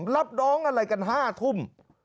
รับน้องอะไรกัน๕ทุ่ม